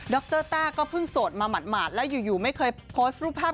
รต้าก็เพิ่งโสดมาหมาดแล้วอยู่ไม่เคยโพสต์รูปภาพ